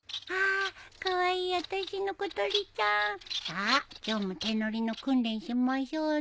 さあ今日も手乗りの訓練しましょうね。